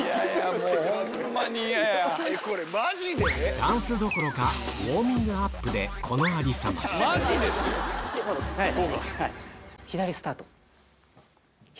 ダンスどころかウォーミングアップでこのありさま左スタート左。